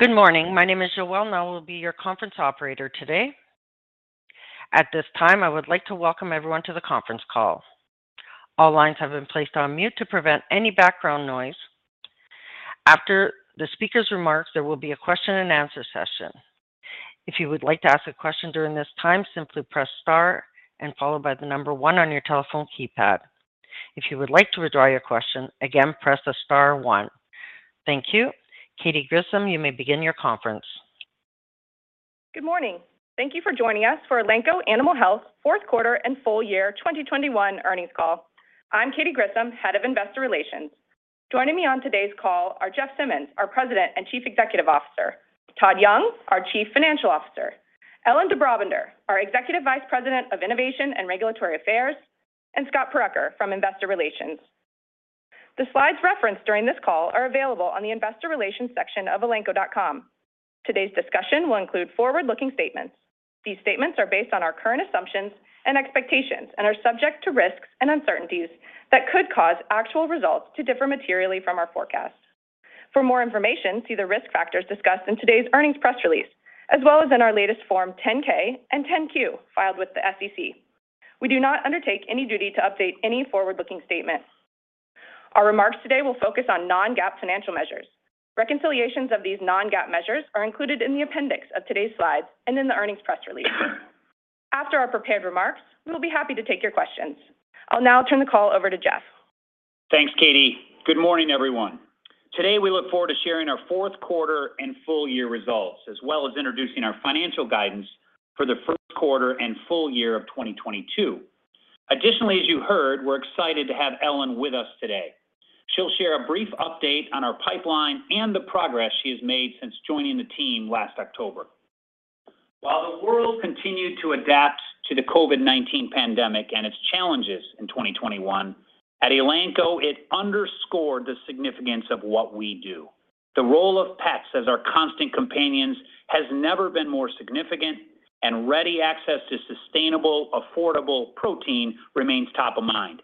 Good morning. My name is Joelle, and I will be your conference operator today. At this time, I would like to welcome everyone to the conference call. All lines have been placed on mute to prevent any background noise. After the speaker's remarks, there will be a question and answer session. If you would like to ask a question during this time, simply press star one on your telephone keypad. If you would like to withdraw your question, again, press the star one. Thank you. Katy Grissom, you may begin your conference. Good morning. Thank you for joining us for Elanco Animal Health fourth quarter and full year 2021 earnings call. I'm Katy Grissom, Head of Investor Relations. Joining me on today's call are Jeff Simmons, our President and Chief Executive Officer, Todd Young, our Chief Financial Officer, Ellen de Brabander, our Executive Vice President of Innovation and Regulatory Affairs, and Scott Purucker from Investor Relations. The slides referenced during this call are available on the investor relations section of elanco.com. Today's discussion will include forward-looking statements. These statements are based on our current assumptions and expectations and are subject to risks and uncertainties that could cause actual results to differ materially from our forecasts. For more information, see the risk factors discussed in today's earnings press release, as well as in our latest Form 10-K and 10-Q filed with the SEC. We do not undertake any duty to update any forward-looking statement. Our remarks today will focus on non-GAAP financial measures. Reconciliations of these non-GAAP measures are included in the appendix of today's slides and in the earnings press release. After our prepared remarks, we will be happy to take your questions. I'll now turn the call over to Jeff. Thanks, Katy. Good morning, everyone. Today, we look forward to sharing our fourth quarter and full year results, as well as introducing our financial guidance for the first quarter and full year of 2022. Additionally, as you heard, we're excited to have Ellen with us today. She'll share a brief update on our pipeline and the progress she has made since joining the team last October. While the world continued to adapt to the COVID-19 pandemic and its challenges in 2021, at Elanco, it underscored the significance of what we do. The role of pets as our constant companions has never been more significant and ready access to sustainable, affordable protein remains top of mind.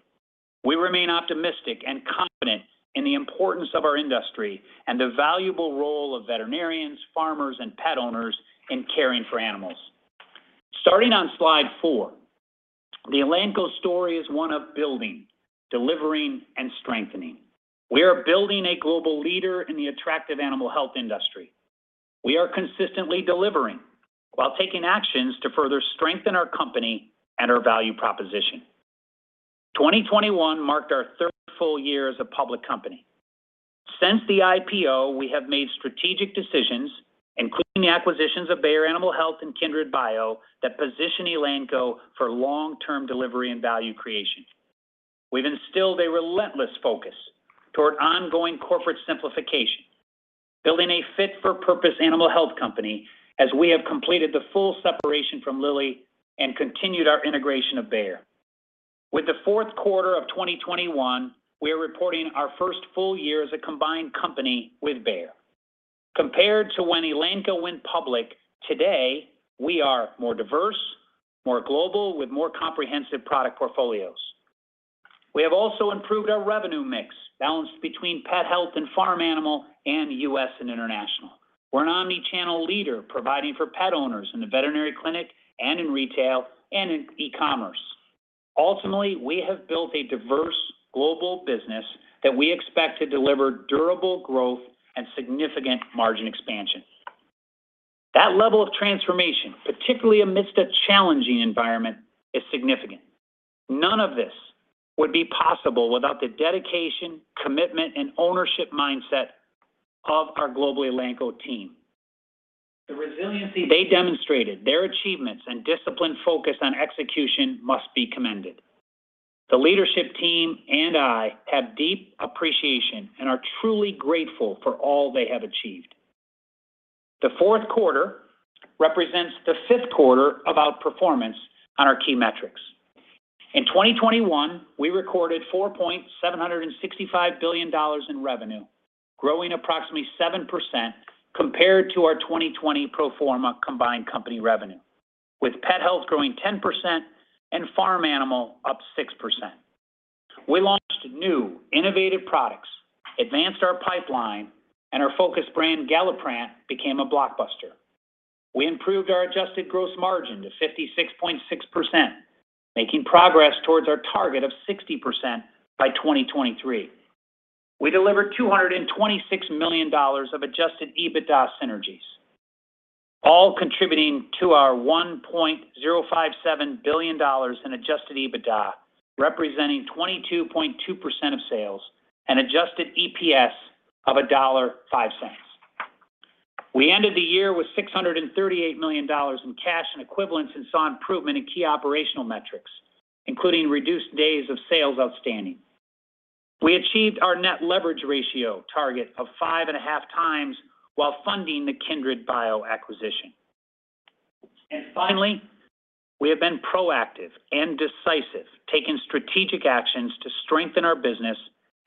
We remain optimistic and confident in the importance of our industry and the valuable role of veterinarians, farmers, and pet owners in caring for animals. Starting on slide four, the Elanco story is one of building, delivering, and strengthening. We are building a global leader in the attractive animal health industry. We are consistently delivering while taking actions to further strengthen our company and our value proposition. 2021 marked our third full year as a public company. Since the IPO, we have made strategic decisions, including the acquisitions of Bayer Animal Health and KindredBio, that position Elanco for long-term delivery and value creation. We've instilled a relentless focus toward ongoing corporate simplification, building a fit-for-purpose animal health company as we have completed the full separation from Lilly and continued our integration of Bayer. With the fourth quarter of 2021, we are reporting our first full year as a combined company with Bayer. Compared to when Elanco went public, today, we are more diverse, more global with more comprehensive product portfolios. We have also improved our revenue mix balanced between pet health and farm animal, and U.S. and international. We're an omni-channel leader providing for pet owners in the veterinary clinic and in retail and in e-commerce. Ultimately, we have built a diverse global business that we expect to deliver durable growth and significant margin expansion. That level of transformation, particularly amidst a challenging environment, is significant. None of this would be possible without the dedication, commitment, and ownership mindset of our global Elanco team. The resiliency they demonstrated, their achievements, and disciplined focus on execution must be commended. The leadership team and I have deep appreciation and are truly grateful for all they have achieved. The fourth quarter represents the fifth quarter of outperformance on our key metrics. In 2021, we recorded $4.765 billion in revenue, growing approximately 7% compared to our 2020 pro forma combined company revenue, with Pet Health growing 10% and Farm Animal up 6%. We launched new innovative products, advanced our pipeline, and our focus brand, Galliprant, became a blockbuster. We improved our adjusted gross margin to 56.6%, making progress towards our target of 60% by 2023. We delivered $226 million of adjusted EBITDA synergies, all contributing to our $1.057 billion in adjusted EBITDA, representing 22.2% of sales and adjusted EPS of $1.05. We ended the year with $638 million in cash and equivalents and saw improvement in key operational metrics, including reduced days of sales outstanding. We achieved our net leverage ratio target of 5.5x while funding the KindredBio acquisition. Finally, we have been proactive and decisive, taking strategic actions to strengthen our business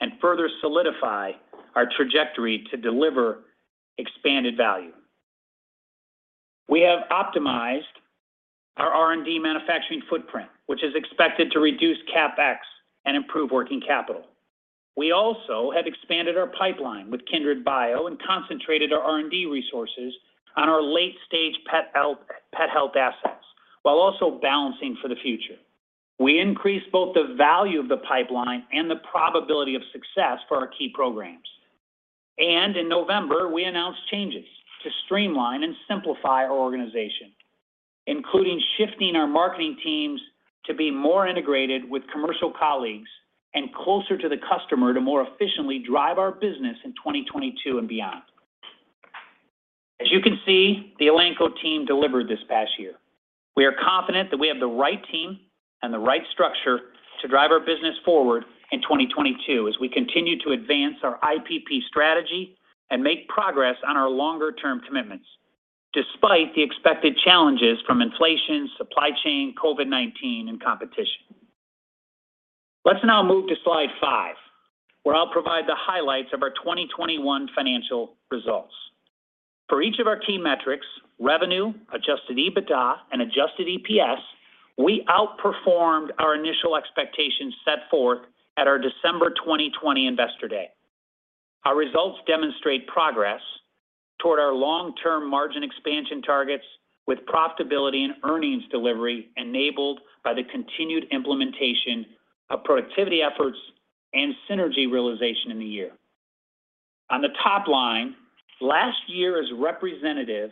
and further solidify our trajectory to deliver expanded value. We have optimized our R&D manufacturing footprint, which is expected to reduce CapEx and improve working capital. We also have expanded our pipeline with KindredBio and concentrated our R&D resources on our late-stage pet health assets, while also balancing for the future. We increased both the value of the pipeline and the probability of success for our key programs. In November, we announced changes to streamline and simplify our organization, including shifting our marketing teams to be more integrated with commercial colleagues and closer to the customer to more efficiently drive our business in 2022 and beyond. As you can see, the Elanco team delivered this past year. We are confident that we have the right team and the right structure to drive our business forward in 2022 as we continue to advance our IPP strategy and make progress on our longer-term commitments despite the expected challenges from inflation, supply chain, COVID-19, and competition. Let's now move to slide five, where I'll provide the highlights of our 2021 financial results. For each of our key metrics, revenue, adjusted EBITDA, and adjusted EPS, we outperformed our initial expectations set forth at our December 2020 Investor Day. Our results demonstrate progress toward our long-term margin expansion targets with profitability and earnings delivery enabled by the continued implementation of productivity efforts and synergy realization in the year. On the top line, last year is representative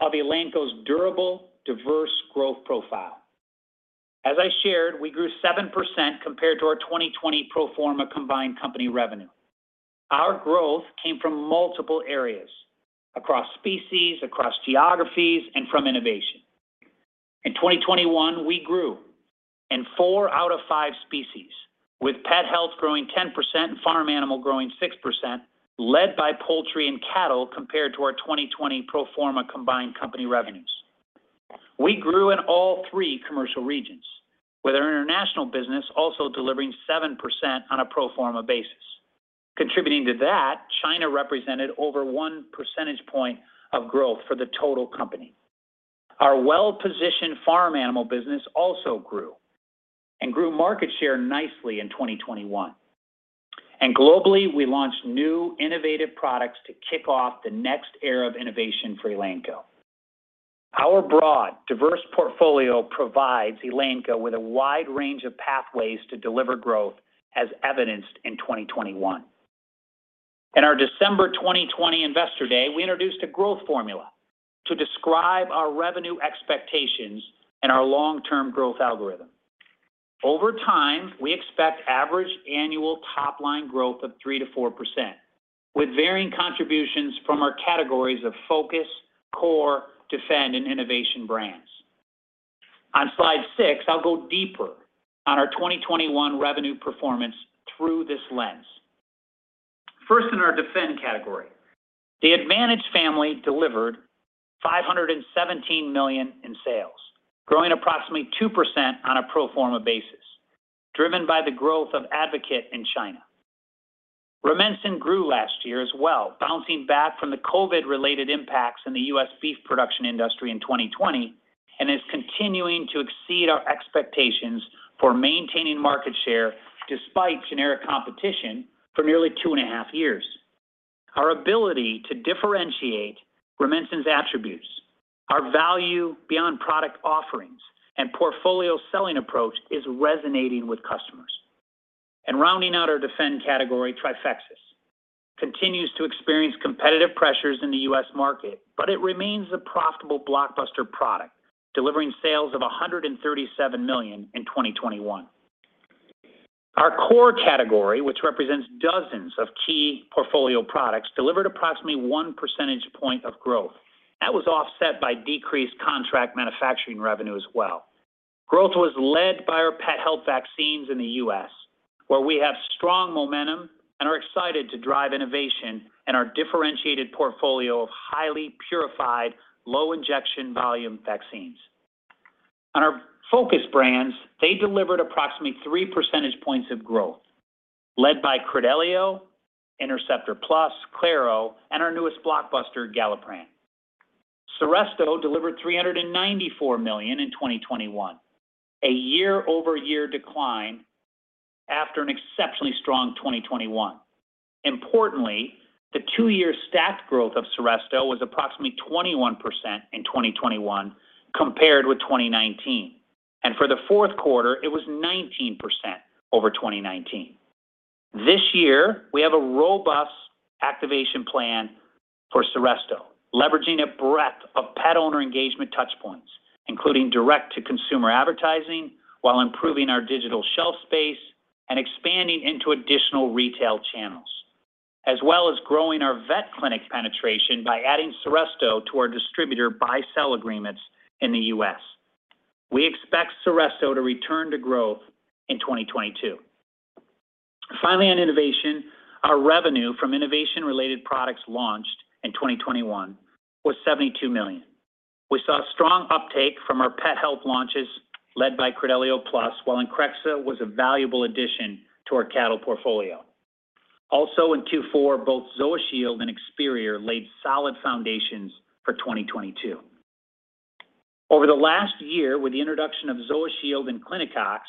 of Elanco's durable, diverse growth profile. As I shared, we grew 7% compared to our 2020 pro forma combined company revenue. Our growth came from multiple areas across species, across geographies, and from innovation. In 2021, we grew in four out of five species, with Pet Health growing 10% and Farm Animal growing 6%, led by poultry and cattle compared to our 2020 pro forma combined company revenues. We grew in all three commercial regions, with our international business also delivering 7% on a pro forma basis. Contributing to that, China represented over 1 percentage point of growth for the total company. Our well-positioned Farm Animal business also grew and grew market share nicely in 2021. Globally, we launched new innovative products to kick off the next era of innovation for Elanco. Our broad, diverse portfolio provides Elanco with a wide range of pathways to deliver growth as evidenced in 2021. In our December 2020 Investor Day, we introduced a growth formula to describe our revenue expectations and our long-term growth algorithm. Over time, we expect average annual top-line growth of 3%-4% with varying contributions from our categories of Focus, Core, Defend, and Innovation brands. On slide six, I'll go deeper on our 2021 revenue performance through this lens. First, in our Defend category, the Advantage family delivered $517 million in sales, growing approximately 2% on a pro forma basis, driven by the growth of Advocate in China. Rumensin grew last year as well, bouncing back from the COVID-19-related impacts in the U.S. beef production industry in 2020 and is continuing to exceed our expectations for maintaining market share despite generic competition for nearly two and half years. Our ability to differentiate Rumensin's attributes, our value beyond product offerings, and portfolio selling approach is resonating with customers. Rounding out our Defend category, Trifexis continues to experience competitive pressures in the U.S. market, but it remains a profitable blockbuster product, delivering sales of $137 million in 2021. Our Core category, which represents dozens of key portfolio products, delivered approximately one percentage point of growth. That was offset by decreased contract manufacturing revenue as well. Growth was led by our pet health vaccines in the U.S., where we have strong momentum and are excited to drive innovation in our differentiated portfolio of highly purified, low injection volume vaccines. On our Focus brands, they delivered approximately three percentage points of growth, led by Credelio, Interceptor Plus, Claro, and our newest blockbuster, Galliprant. Seresto delivered $394 million in 2021, a year-over-year decline after an exceptionally strong 2021. Importantly, the two-year stacked growth of Seresto was approximately 21% in 2021 compared with 2019, and for the fourth quarter, it was 19% over 2019. This year, we have a robust activation plan for Seresto, leveraging a breadth of pet owner engagement touchpoints, including direct-to-consumer advertising while improving our digital shelf space and expanding into additional retail channels, as well as growing our vet clinic penetration by adding Seresto to our distributor buy-sell agreements in the U.S. We expect Seresto to return to growth in 2022. Finally, on innovation, our revenue from innovation-related products launched in 2021 was $72 million. We saw strong uptake from our pet health launches led by Credelio Plus, while Increxxa was a valuable addition to our cattle portfolio. Also in Q4, both ZoaShield and Experior laid solid foundations for 2022. Over the last year, with the introduction of ZoaShield and Clinacox,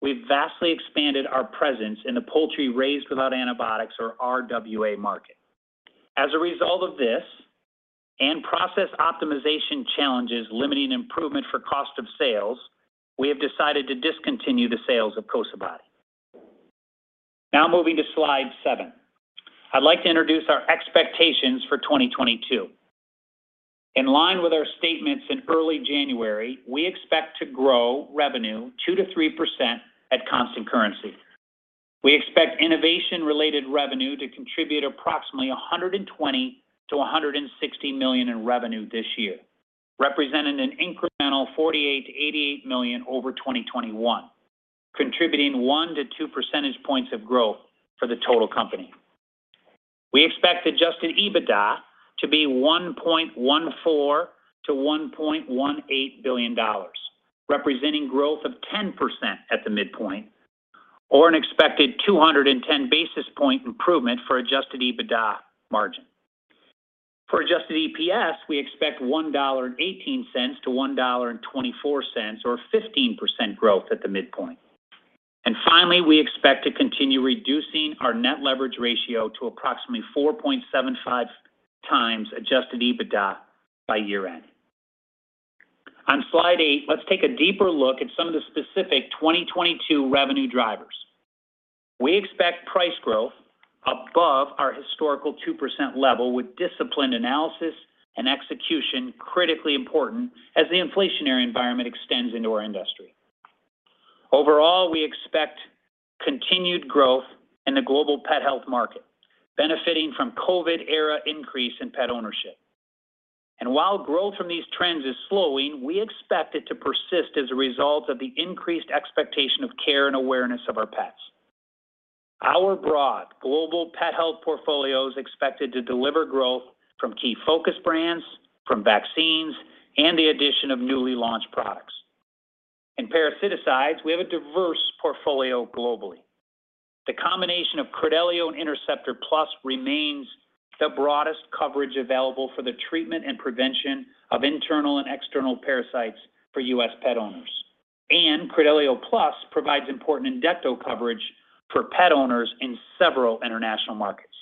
we've vastly expanded our presence in the poultry raised without antibiotics or RWA market. As a result of this and process optimization challenges limiting improvement for cost of sales, we have decided to discontinue the sales of Cosabody. Now moving to slide seven. I'd like to introduce our expectations for 2022. In line with our statements in early January, we expect to grow revenue 2%-3% at constant currency. We expect innovation-related revenue to contribute approximately $120 million-$160 million in revenue this year, representing an incremental $48 million-$88 million over 2021, contributing 1-2 percentage points of growth for the total company. We expect adjusted EBITDA to be $1.14 billion-$1.18 billion, representing growth of 10% at the midpoint or an expected 210 basis point improvement for adjusted EBITDA margin. For adjusted EPS, we expect $1.18-$1.24 or 15% growth at the midpoint. Finally, we expect to continue reducing our net leverage ratio to approximately 4.75x adjusted EBITDA by year-end. On slide eight, let's take a deeper look at some of the specific 2022 revenue drivers. We expect price growth above our historical 2% level with disciplined analysis and execution critically important as the inflationary environment extends into our industry. Overall, we expect continued growth in the global pet health market, benefiting from COVID-era increase in pet ownership. While growth from these trends is slowing, we expect it to persist as a result of the increased expectation of care and awareness of our pets. Our broad global pet health portfolio is expected to deliver growth from key focus brands, from vaccines, and the addition of newly launched products. In parasiticides, we have a diverse portfolio globally. The combination of Credelio and Interceptor Plus remains the broadest coverage available for the treatment and prevention of internal and external parasites for U.S. pet owners. Credelio Plus provides important endecto coverage for pet owners in several international markets.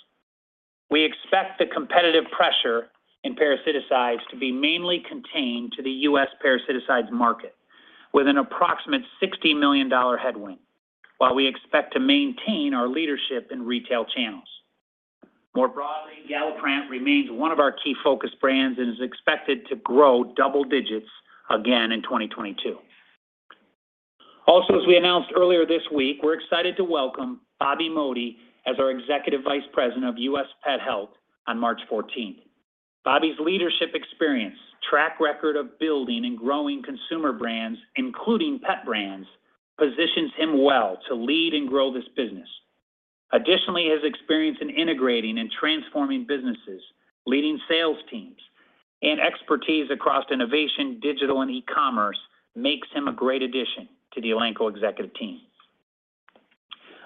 We expect the competitive pressure in parasiticides to be mainly contained to the U.S. parasiticides market with an approximate $60 million headwind while we expect to maintain our leadership in retail channels. More broadly, Galliprant remains one of our key focus brands and is expected to grow double digits again in 2022. Also, as we announced earlier this week, we're excited to welcome Bobby Modi as our Executive Vice President of U.S. Pet Health on March 14th. Bobby's leadership experience, track record of building and growing consumer brands, including pet brands, positions him well to lead and grow this business. Additionally, his experience in integrating and transforming businesses, leading sales teams, and expertise across innovation, digital, and e-commerce makes him a great addition to the Elanco executive team.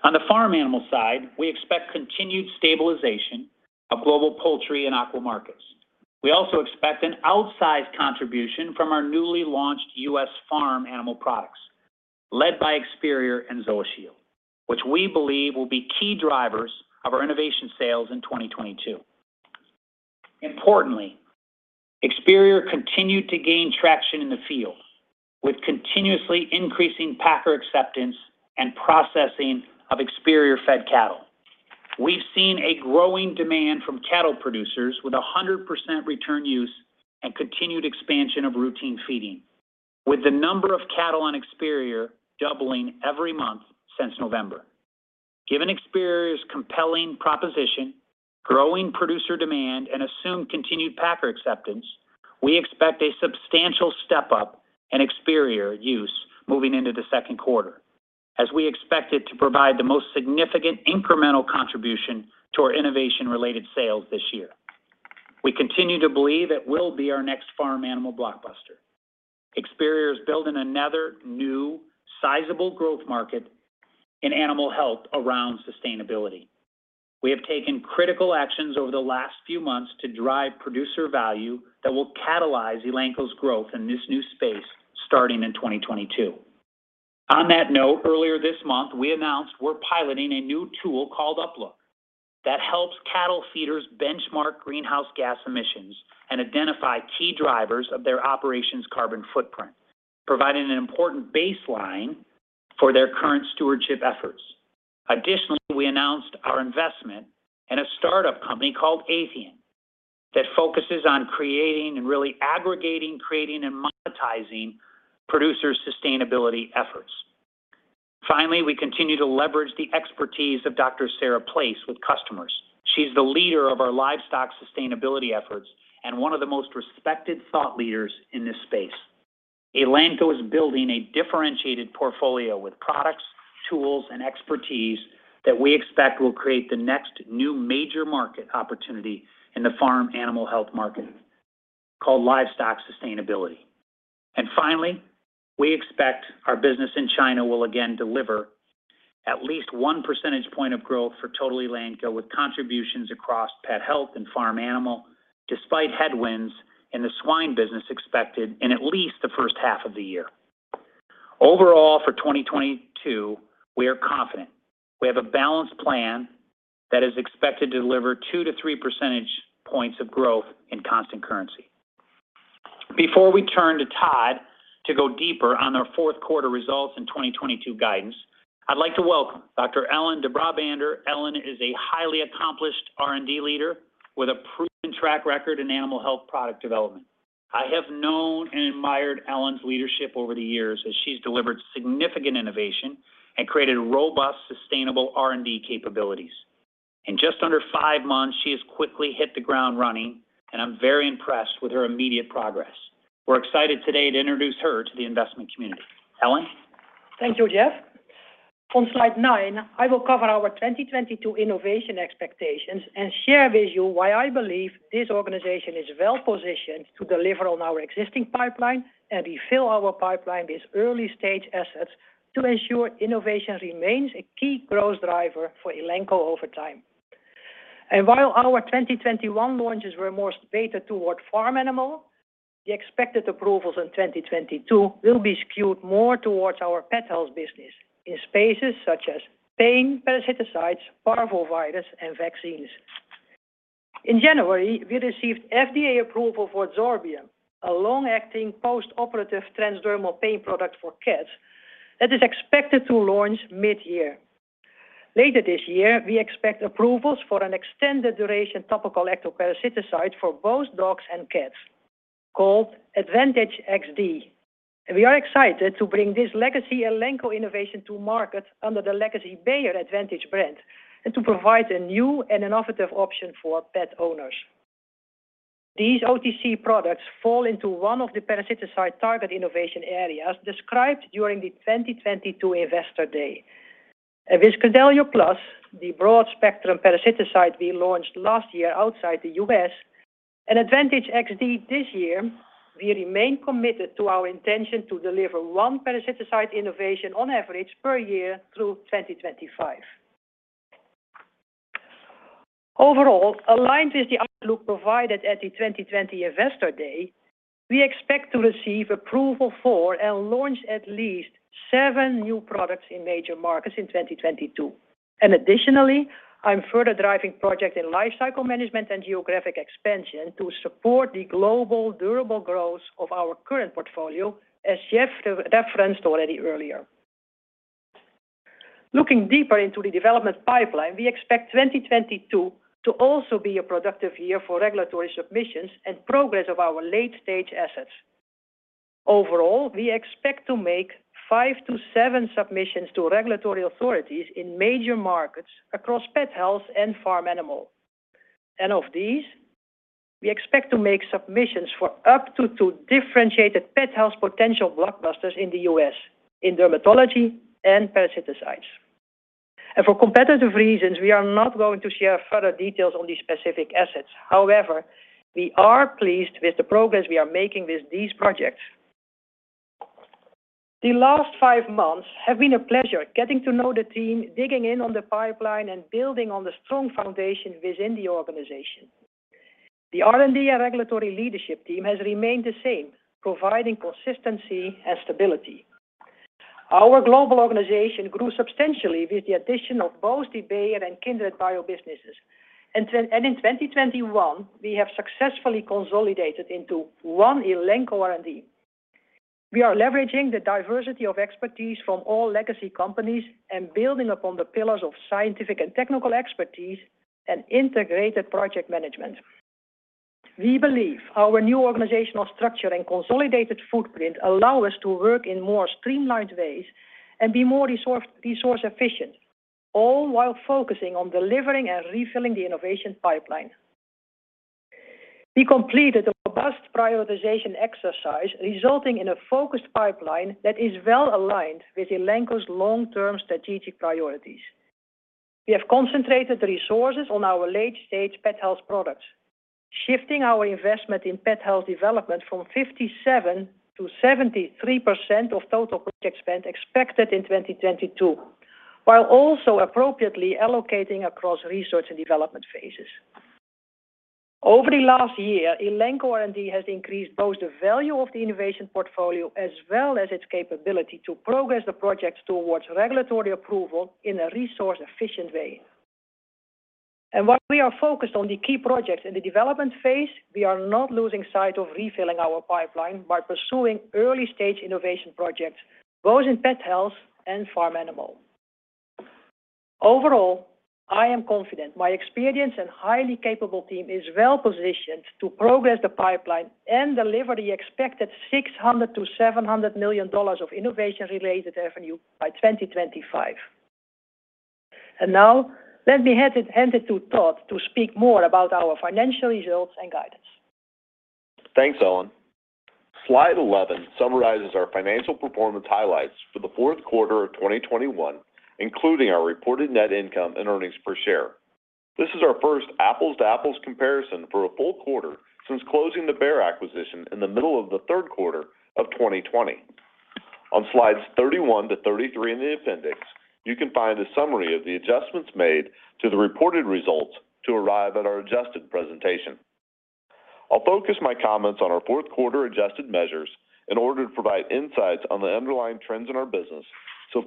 On the farm animal side, we expect continued stabilization of global poultry and aqua markets. We also expect an outsized contribution from our newly launched U.S. farm animal products led by Experior and ZoaShield, which we believe will be key drivers of our innovation sales in 2022. Importantly, Experior continued to gain traction in the field with continuously increasing packer acceptance and processing of Experior-fed cattle. We've seen a growing demand from cattle producers with 100% return use and continued expansion of routine feeding, with the number of cattle on Experior doubling every month since November. Given Experior's compelling proposition, growing producer demand, and assumed continued packer acceptance, we expect a substantial step-up in Experior use moving into the second quarter as we expect it to provide the most significant incremental contribution to our innovation-related sales this year. We continue to believe it will be our next farm animal blockbuster. Experior is building another new sizable growth market in animal health around sustainability. We have taken critical actions over the last few months to drive producer value that will catalyze Elanco's growth in this new space starting in 2022. On that note, earlier this month, we announced we're piloting a new tool called UpLook that helps cattle feeders benchmark greenhouse gas emissions and identify key drivers of their operations' carbon footprint, providing an important baseline for their current stewardship efforts. Additionally, we announced our investment in a startup company called Athian that focuses on creating and really aggregating and monetizing producers' sustainability efforts. Finally, we continue to leverage the expertise of Dr. Sarah Place with customers. She's the leader of our livestock sustainability efforts and one of the most respected thought leaders in this space. Elanco is building a differentiated portfolio with products, tools, and expertise that we expect will create the next new major market opportunity in the farm animal health market called livestock sustainability. Finally, we expect our business in China will again deliver at least 1 percentage point of growth for total Elanco with contributions across pet health and farm animal, despite headwinds in the swine business expected in at least the first half of the year. Overall, for 2022, we are confident. We have a balanced plan that is expected to deliver 2-3 percentage points of growth in constant currency. Before we turn to Todd to go deeper on our fourth quarter results and 2022 guidance, I'd like to welcome Dr. Ellen de Brabander. Ellen is a highly accomplished R&D leader with a proven track record in animal health product development. I have known and admired Ellen's leadership over the years as she's delivered significant innovation and created robust, sustainable R&D capabilities. In just under five months, she has quickly hit the ground running, and I'm very impressed with her immediate progress. We're excited today to introduce her to the investment community. Ellen. Thank you, Jeff. On slide nine, I will cover our 2022 innovation expectations and share with you why I believe this organization is well-positioned to deliver on our existing pipeline and refill our pipeline with early-stage assets to ensure innovation remains a key growth driver for Elanco over time. While our 2021 launches were more weighted toward farm animal, the expected approvals in 2022 will be skewed more towards our pet health business in spaces such as pain, parasiticides, parvovirus, and vaccines. In January, we received FDA approval for Zorbium, a long-acting post-operative transdermal pain product for cats that is expected to launch mid-year. Later this year, we expect approvals for an extended duration topical ectoparasiticides for both dogs and cats called Advantage XD. We are excited to bring this legacy Elanco innovation to market under the legacy Bayer Advantage brand and to provide a new and innovative option for pet owners. These OTC products fall into one of the parasiticides target innovation areas described during the 2022 Investor Day. With Credelio Plus, the broad-spectrum parasiticides we launched last year outside the U.S., and Advantage XD this year, we remain committed to our intention to deliver one parasiticides innovation on average per year through 2025. Overall, aligned with the outlook provided at the 2020 Investor Day, we expect to receive approval for and launch at least seven new products in major markets in 2022. Additionally, I'm further driving projects in lifecycle management and geographic expansion to support the global durable growth of our current portfolio, as Jeff referenced already earlier. Looking deeper into the development pipeline, we expect 2022 to also be a productive year for regulatory submissions and progress of our late-stage assets. Overall, we expect to make five to seven submissions to regulatory authorities in major markets across pet health and farm animal. Of these, we expect to make submissions for up to two differentiated pet health potential blockbusters in the U.S. in dermatology and parasiticides. For competitive reasons, we are not going to share further details on these specific assets. However, we are pleased with the progress we are making with these projects. The last five months have been a pleasure getting to know the team, digging in on the pipeline, and building on the strong foundation within the organization. The R&D and regulatory leadership team has remained the same, providing consistency and stability. Our global organization grew substantially with the addition of both the Bayer and Kindred Biosciences businesses. In 2021, we have successfully consolidated into one Elanco R&D. We are leveraging the diversity of expertise from all legacy companies and building upon the pillars of scientific and technical expertise and integrated project management. We believe our new organizational structure and consolidated footprint allow us to work in more streamlined ways and be more resource efficient, all while focusing on delivering and refilling the innovation pipeline. We completed a robust prioritization exercise resulting in a focused pipeline that is well-aligned with Elanco's long-term strategic priorities. We have concentrated resources on our late-stage pet health products, shifting our investment in pet health development from 57%-73% of total project spend expected in 2022, while also appropriately allocating across research and development phases. Over the last year, Elanco R&D has increased both the value of the innovation portfolio as well as its capability to progress the projects towards regulatory approval in a resource-efficient way. While we are focused on the key projects in the development phase, we are not losing sight of refilling our pipeline by pursuing early-stage innovation projects, both in pet health and farm animal. Overall, I am confident my experienced and highly capable team is well-positioned to progress the pipeline and deliver the expected $600 million-$700 million of innovation-related revenue by 2025. Now, let me hand it to Todd to speak more about our financial results and guidance. Thanks, Ellen. Slide 11 summarizes our financial performance highlights for the fourth quarter of 2021, including our reported net income and earnings per share. This is our first apples-to-apples comparison for a full quarter since closing the Bayer acquisition in the middle of the third quarter of 2020. On slides 31-33 in the appendix, you can find a summary of the adjustments made to the reported results to arrive at our adjusted presentation. I'll focus my comments on our fourth quarter adjusted measures in order to provide insights on the underlying trends in our business.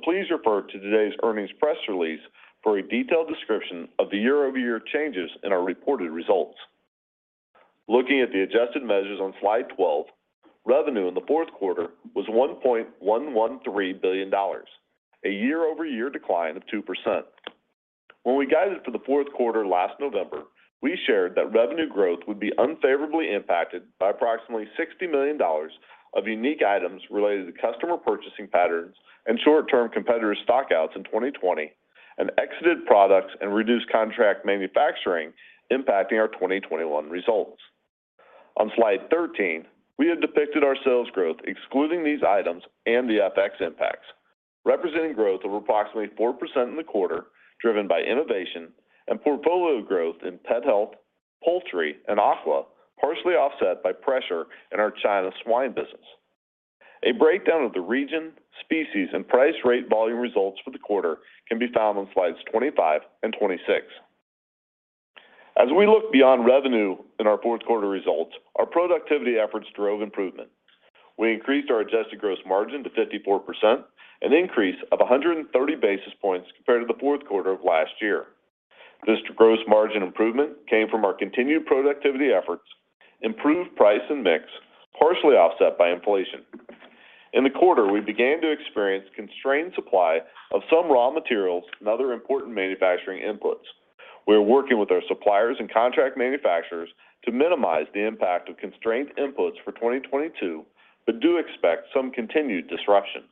Please refer to today's earnings press release for a detailed description of the year-over-year changes in our reported results. Looking at the adjusted measures on slide 12, revenue in the fourth quarter was $1.113 billion, a year-over-year decline of 2%. When we guided for the fourth quarter last November, we shared that revenue growth would be unfavorably impacted by approximately $60 million of unique items related to customer purchasing patterns and short-term competitor stock-outs in 2020 and exited products and reduced contract manufacturing impacting our 2021 results. On slide 13, we have depicted our sales growth excluding these items and the FX impacts, representing growth of approximately 4% in the quarter, driven by innovation and portfolio growth in pet health, poultry, and aqua, partially offset by pressure in our China swine business. A breakdown of the region, species, and price rate volume results for the quarter can be found on slides 25 and 26. As we look beyond revenue in our fourth quarter results, our productivity efforts drove improvement. We increased our adjusted gross margin to 54%, an increase of 130 basis points compared to the fourth quarter of last year. This gross margin improvement came from our continued productivity efforts, improved price and mix, partially offset by inflation. In the quarter, we began to experience constrained supply of some raw materials and other important manufacturing inputs. We are working with our suppliers and contract manufacturers to minimize the impact of constrained inputs for 2022, but do expect some continued disruption.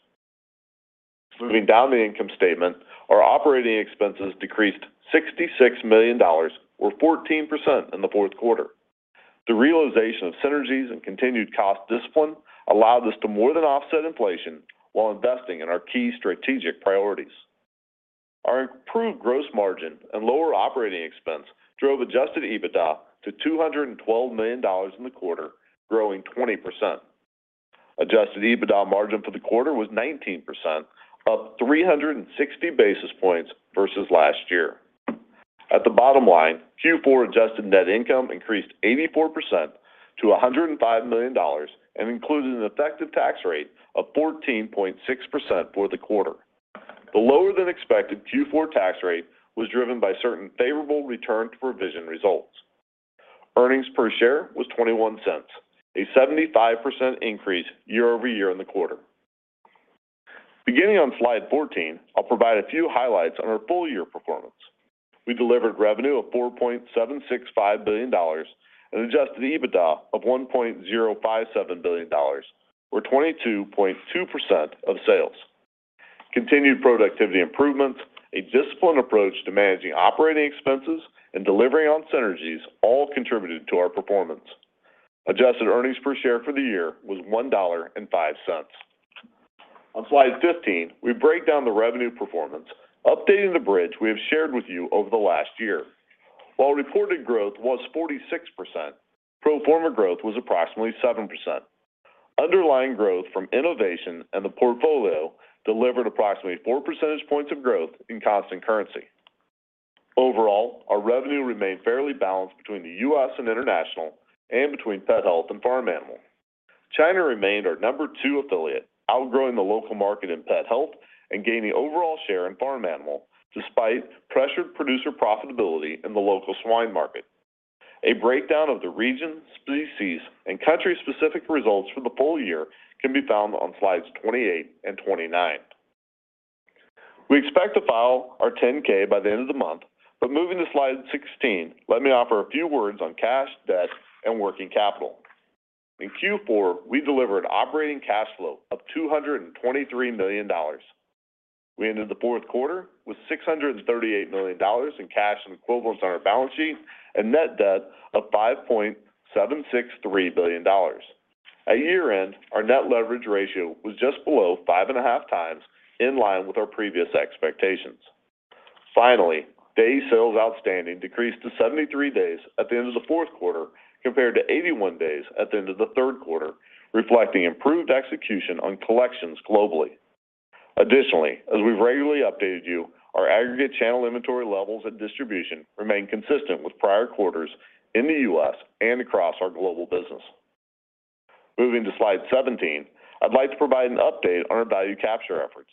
Moving down the income statement, our operating expenses decreased $66 million or 14% in the fourth quarter. The realization of synergies and continued cost discipline allowed us to more than offset inflation while investing in our key strategic priorities. Our improved gross margin and lower operating expense drove adjusted EBITDA to $212 million in the quarter, growing 20%. Adjusted EBITDA margin for the quarter was 19%, up 360 basis points versus last year. At the bottom line, Q4 adjusted net income increased 84% to $105 million and included an effective tax rate of 14.6% for the quarter. The lower than expected Q4 tax rate was driven by certain favorable return to provision results. Earnings per share was $0.21, a 75% increase year-over-year in the quarter. Beginning on slide 14, I'll provide a few highlights on our full year performance. We delivered revenue of $4.765 billion and adjusted EBITDA of $1.057 billion, or 22.2% of sales. Continued productivity improvements, a disciplined approach to managing operating expenses, and delivering on synergies all contributed to our performance. Adjusted earnings per share for the year was $1.05. On slide 15, we break down the revenue performance, updating the bridge we have shared with you over the last year. While reported growth was 46%, pro forma growth was approximately 7%. Underlying growth from innovation and the portfolio delivered approximately 4 percentage points of growth in constant currency. Overall, our revenue remained fairly balanced between the U.S. and international and between Pet Health and Farm Animal. China remained our number two affiliate, outgrowing the local market in Pet Health and gaining overall share in Farm Animal despite pressured producer profitability in the local swine market. A breakdown of the region, species, and country-specific results for the full year can be found on slides 28 and 29. We expect to file our 10-K by the end of the month. Moving to slide 16, let me offer a few words on cash, debt, and working capital. In Q4, we delivered operating cash flow of $223 million. We ended the fourth quarter with $638 million in cash and equivalents on our balance sheet and net debt of $5.763 billion. At year-end, our net leverage ratio was just below 5.5x in line with our previous expectations. Finally, day sales outstanding decreased to 73 days at the end of the fourth quarter compared to 81 days at the end of the third quarter, reflecting improved execution on collections globally. Additionally, as we've regularly updated you, our aggregate channel inventory levels at distribution remain consistent with prior quarters in the U.S. and across our global business. Moving to slide 17, I'd like to provide an update on our value capture efforts.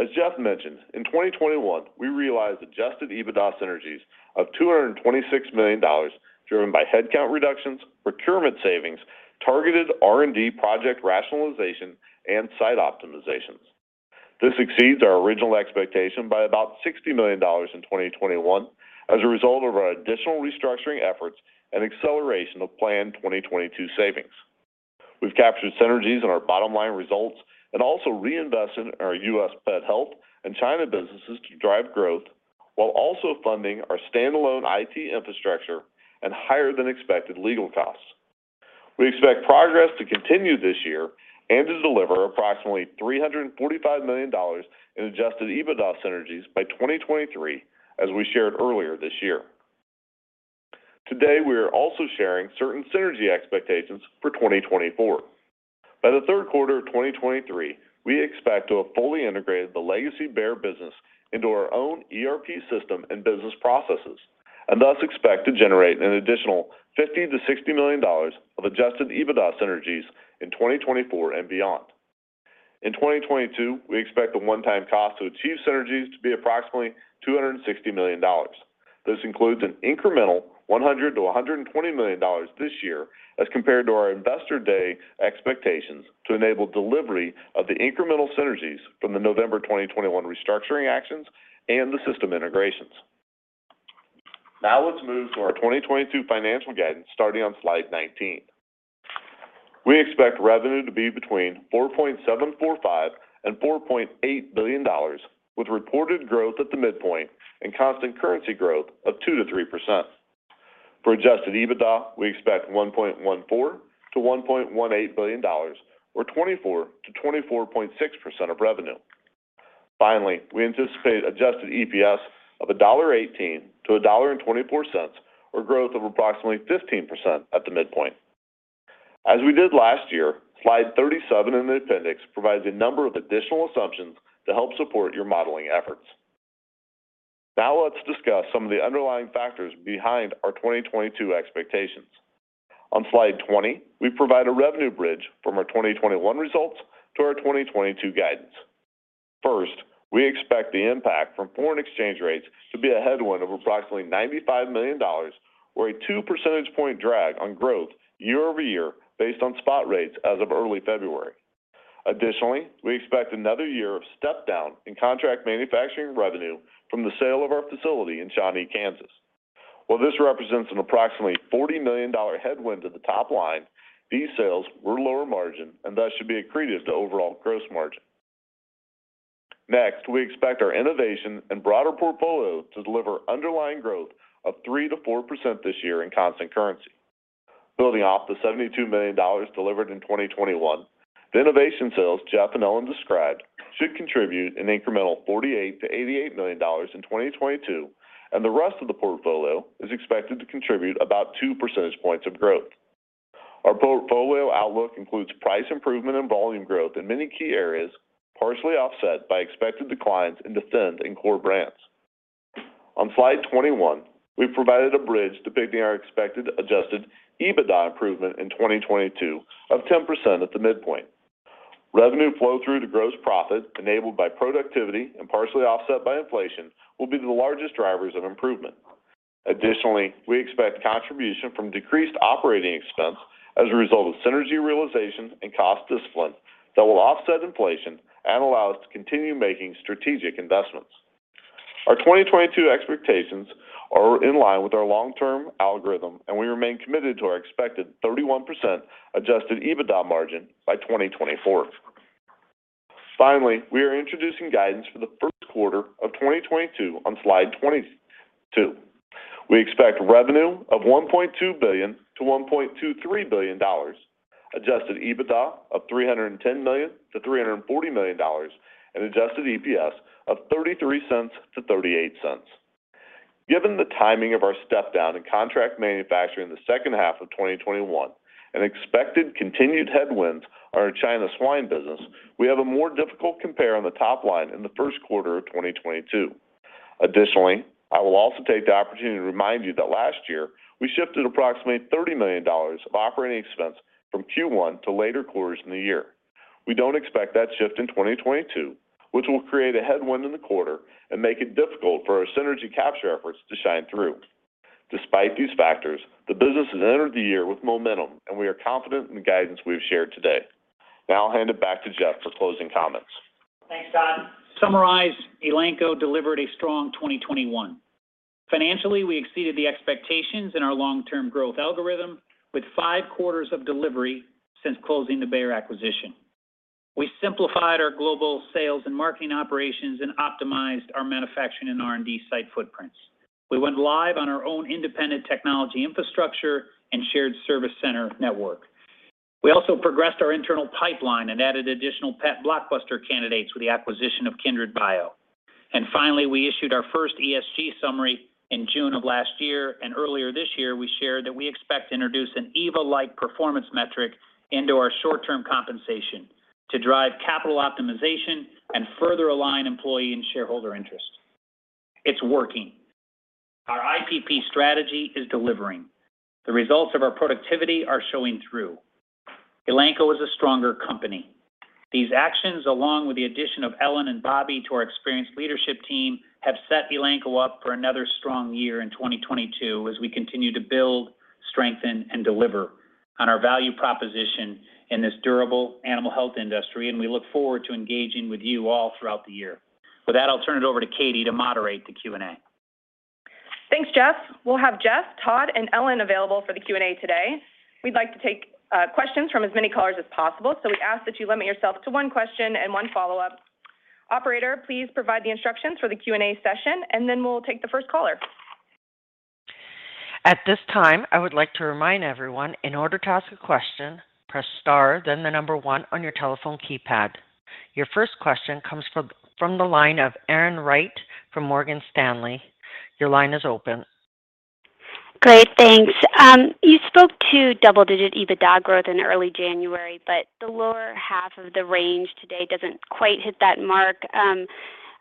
As Jeff mentioned, in 2021, we realized adjusted EBITDA synergies of $226 million, driven by headcount reductions, procurement savings, targeted R&D project rationalization, and site optimizations. This exceeds our original expectation by about $60 million in 2021 as a result of our additional restructuring efforts and acceleration of planned 2022 savings. We've captured synergies in our bottom line results and also reinvested in our U.S. Pet Health and China businesses to drive growth while also funding our standalone IT infrastructure and higher than expected legal costs. We expect progress to continue this year and to deliver approximately $345 million in adjusted EBITDA synergies by 2023 as we shared earlier this year. Today, we are also sharing certain synergy expectations for 2024. By the third quarter of 2023, we expect to have fully integrated the legacy Bayer business into our own ERP system and business processes, and thus expect to generate an additional $50 million-$60 million of adjusted EBITDA synergies in 2024 and beyond. In 2022, we expect the one-time cost to achieve synergies to be approximately $260 million. This includes an incremental $100 million-$120 million this year as compared to our Investor Day expectations to enable delivery of the incremental synergies from the November 2021 restructuring actions and the system integrations. Now let's move to our 2022 financial guidance starting on slide 19. We expect revenue to be between $4.745-$4.8 billion with reported growth at the midpoint and constant currency growth of 2%-3%. For adjusted EBITDA, we expect $1.14 billion-$1.18 billion or 24%-24.6% of revenue. Finally, we anticipate adjusted EPS of $1.18-$1.24 or growth of approximately 15% at the midpoint. As we did last year, slide 37 in the appendix provides a number of additional assumptions to help support your modeling efforts. Now let's discuss some of the underlying factors behind our 2022 expectations. On slide 20, we provide a revenue bridge from our 2021 results to our 2022 guidance. First, we expect the impact from foreign exchange rates to be a headwind of approximately $95 million or a 2 percentage point drag on growth year-over-year based on spot rates as of early February. Additionally, we expect another year of step down in contract manufacturing revenue from the sale of our facility in Shawnee, Kansas. While this represents an approximately $40 million headwind to the top line, these sales were lower margin and thus should be accretive to overall gross margin. Next, we expect our innovation and broader portfolio to deliver underlying growth of 3%-4% this year in constant currency. Building off the $72 million delivered in 2021, the innovation sales Jeff and Ellen described should contribute an incremental $48 million-$88 million in 2022, and the rest of the portfolio is expected to contribute about 2 percentage points of growth. Our portfolio outlook includes price improvement and volume growth in many key areas, partially offset by expected declines in Defend and core brands. On slide 21, we've provided a bridge depicting our expected adjusted EBITDA improvement in 2022 of 10% at the midpoint. Revenue flow through to gross profit enabled by productivity and partially offset by inflation will be the largest drivers of improvement. Additionally, we expect contribution from decreased operating expense as a result of synergy realization and cost discipline that will offset inflation and allow us to continue making strategic investments. Our 2022 expectations are in line with our long-term algorithm, and we remain committed to our expected 31% adjusted EBITDA margin by 2024. Finally, we are introducing guidance for the first quarter of 2022 on slide 22. We expect revenue of $1.2 billion-$1.23 billion, adjusted EBITDA of $310 million-$340 million, and adjusted EPS of $0.33-$0.38. Given the timing of our step down in contract manufacturing in the second half of 2021 and expected continued headwinds on our China swine business, we have a more difficult compare on the top line in the first quarter of 2022. Additionally, I will also take the opportunity to remind you that last year we shifted approximately $30 million of operating expense from Q1 to later quarters in the year. We don't expect that shift in 2022, which will create a headwind in the quarter and make it difficult for our synergy capture efforts to shine through. Despite these factors, the business has entered the year with momentum, and we are confident in the guidance we've shared today. Now I'll hand it back to Jeff for closing comments. Thanks, Todd. To summarize, Elanco delivered a strong 2021. Financially, we exceeded the expectations in our long-term growth algorithm with five quarters of delivery since closing the Bayer acquisition. We simplified our global sales and marketing operations and optimized our manufacturing and R&D site footprints. We went live on our own independent technology infrastructure and shared service center network. We also progressed our internal pipeline and added additional pet blockbuster candidates with the acquisition of KindredBio. Finally, we issued our first ESG summary in June of last year. Earlier this year, we shared that we expect to introduce an EVA-like performance metric into our short-term compensation to drive capital optimization and further align employee and shareholder interest. It's working. Our IPP strategy is delivering. The results of our productivity are showing through. Elanco is a stronger company. These actions, along with the addition of Ellen and Bobby to our experienced leadership team, have set Elanco up for another strong year in 2022 as we continue to build, strengthen, and deliver on our value proposition in this durable animal health industry, and we look forward to engaging with you all throughout the year. With that, I'll turn it over to Katy to moderate the Q&A. Thanks, Jeff. We'll have Jeff, Todd, and Ellen available for the Q&A today. We'd like to take questions from as many callers as possible, so we ask that you limit yourself to one question and one follow-up. Operator, please provide the instructions for the Q&A session, and then we'll take the first caller. At this time, I would like to remind everyone, in order to ask a question, press star then the number one on your telephone keypad. Your first question comes from the line of Erin Wright from Morgan Stanley. Your line is open. Great. Thanks. You spoke to double-digit EBITDA growth in early January, but the lower half of the range today doesn't quite hit that mark.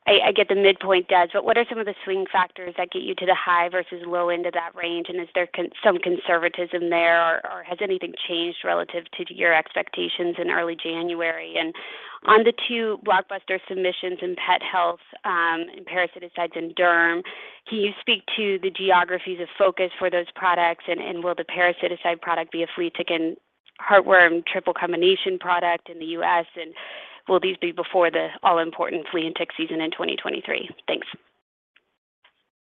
I get the midpoint does, but what are some of the swing factors that get you to the high versus low end of that range? Is there some conservatism there or has anything changed relative to your expectations in early January? On the two blockbuster submissions in pet health and parasiticides in derm, can you speak to the geographies of focus for those products? Will the parasiticide product be a flea, tick, and heartworm triple combination product in the U.S.? Will these be before the all-important flea and tick season in 2023? Thanks.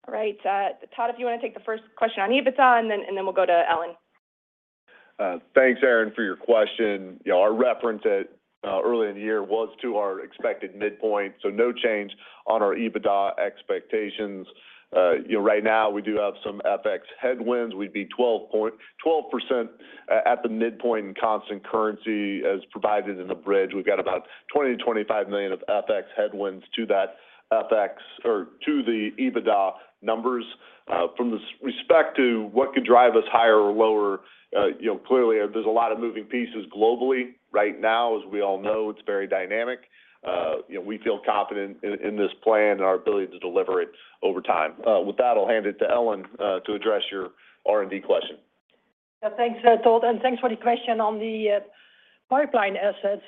All right. Todd, if you wanna take the first question on EBITDA, and then we'll go to Ellen. Thanks, Erin, for your question. You know, our reference at early in the year was to our expected midpoint, so no change on our EBITDA expectations. You know, right now, we do have some FX headwinds. We'd be 12% at the midpoint in constant currency as provided in the bridge. We've got about $20 million-$25 million of FX headwinds to that FX or to the EBITDA numbers. From this perspective to what could drive us higher or lower, you know, clearly there's a lot of moving pieces globally right now. As we all know, it's very dynamic. You know, we feel confident in this plan and our ability to deliver it over time. With that, I'll hand it to Ellen to address your R&D question. Yeah, thanks, Todd, and thanks for the question on the pipeline assets.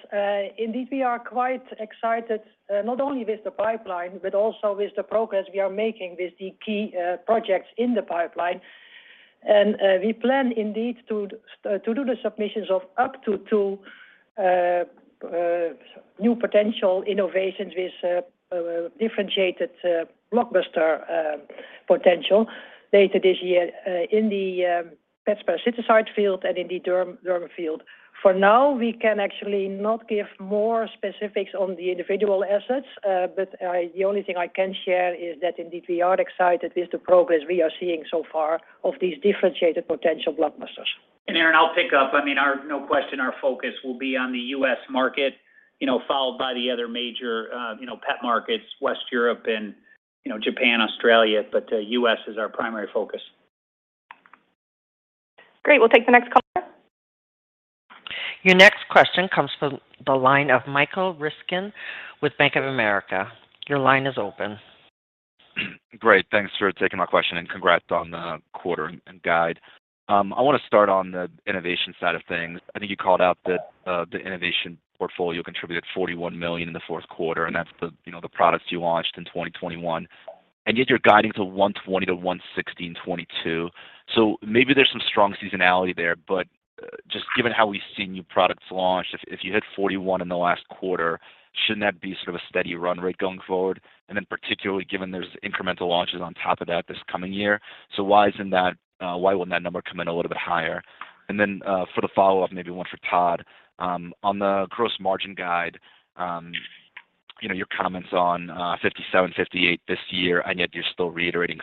Indeed, we are quite excited, not only with the pipeline, but also with the progress we are making with the key projects in the pipeline. We plan indeed to do the submissions of up to two new potential innovations with a differentiated blockbuster potential later this year in the pet parasiticides field and in the derm field. For now, we can actually not give more specifics on the individual assets. The only thing I can share is that indeed we are excited with the progress we are seeing so far of these differentiated potential blockbusters. Erin, I'll pick up. I mean, no question, our focus will be on the U.S. market, you know, followed by the other major, you know, pet markets, Western Europe and, you know, Japan, Australia. U.S. is our primary focus. Great. We'll take the next caller. Your next question comes from the line of Michael Ryskin with Bank of America. Your line is open. Great. Thanks for taking my question, and congrats on the quarter and guide. I wanna start on the innovation side of things. I think you called out that the innovation portfolio contributed $41 million in the fourth quarter, and that's the, you know, the products you launched in 2021, and yet you're guiding to $120 million-$160 million in 2022. Maybe there's some strong seasonality there, but just given how we've seen new products launched, if you hit $41 million in the last quarter, shouldn't that be sort of a steady run rate going forward? Particularly given there's incremental launches on top of that this coming year. Why wouldn't that number come in a little bit higher? For the follow-up, maybe one for Todd. On the gross margin guide, you know, your comments on 57%-58% this year, and yet you're still reiterating